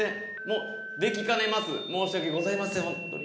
できかねます申し訳ございません本当に。